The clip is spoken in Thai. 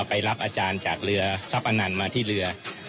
ไปรับอาจารย์จากเรือทรัพย์อนันต์มาที่เรือ